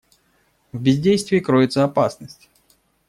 В бездействии кроется опасность.